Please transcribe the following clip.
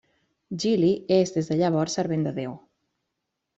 Gili és des de llavors servent de Déu.